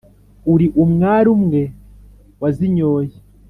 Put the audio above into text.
Uri umwari umwe wazinyoye